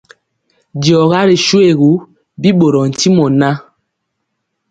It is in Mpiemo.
D@Diɔga ri shoégu, bi ɓorɔɔ ntimɔ ŋan.